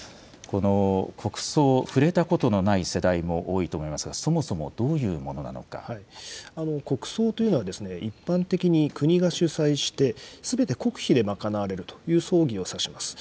この国葬、触れたことのない世代も多いと思いますが、そもそもどういうもの国葬というのは、一般的に国が主催して、すべて国費で賄われるという葬儀を指します。